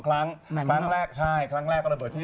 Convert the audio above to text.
ครั้งครั้งแรกใช่ครั้งแรกก็ระเบิดที่